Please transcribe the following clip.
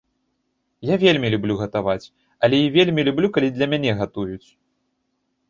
Я вельмі люблю гатаваць, але і вельмі люблю, калі для мяне гатуюць.